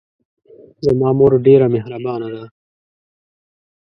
زما مور ډېره محربانه ده